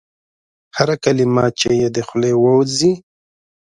هره کلمه چي یې د خولې وزي ؟